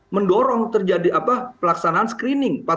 mendorong terjadi pelaksanaan screening